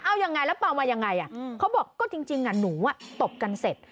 เอายังไงแล้วเปล่ามายังไงเขาบอกก็จริงหนูตบกันเสร็จ